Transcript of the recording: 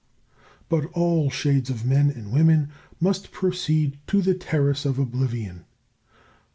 But all shades of men and women must proceed to the Terrace of Oblivion.